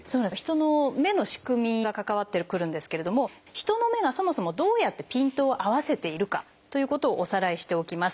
人の目の仕組みが関わってくるんですけれども人の目がそもそもどうやってピントを合わせているかということをおさらいしておきます。